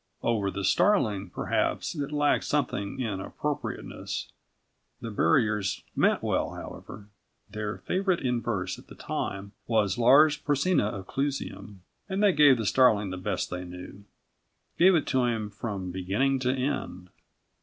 Over the starling, perhaps, it lacked something in appropriateness. The buriers meant well however. Their favourite in verse at the time was Lars Porsena of Clusium, and they gave the starling the best they knew gave it to him from beginning to end.